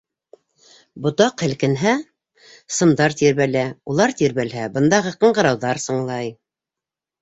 Ботаҡ һелкенһә, сымдар тирбәлә, улар тирбәлһә, бындағы ҡыңғырауҙар сыңлай.